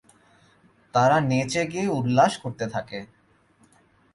তারা নেচে গেয়ে উল্লাস করতে থাকে।